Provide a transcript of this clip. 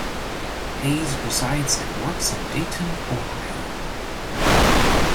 Hayes resides and works in Dayton, Ohio.